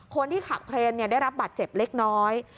คนที่ขับเครนได้รับบาดเจ็บเล็กน้อย